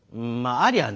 ありゃあね。